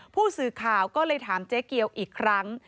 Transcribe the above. ผู้สื่อข่าวก็เลยถามเจ๊เกียวอีกครั้ง